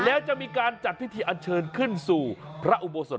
แล้วจะมีการจัดพิธีอันเชิญขึ้นสู่พระอุโบสถ